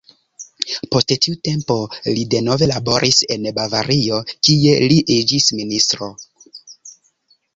Post tiu tempo, li denove laboris en Bavario, kie li iĝis ministro.